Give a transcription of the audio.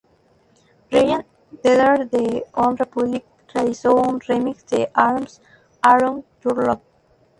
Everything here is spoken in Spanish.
Ryan Tedder de OneRepublic realizó un remix de "Arms Around Your Love".